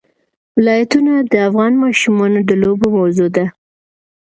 ولایتونه د افغان ماشومانو د لوبو موضوع ده.